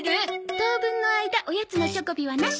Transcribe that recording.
当分の間おやつのチョコビはなし。